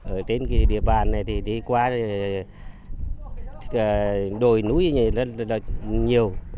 ở trên địa bàn này thì đi qua đồi núi nhiều